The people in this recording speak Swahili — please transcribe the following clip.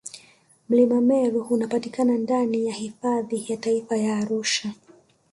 mlima meru unapatikana ndani ya hifadhi ya taifa ya arusha